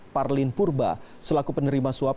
parlin purba selaku penerima suap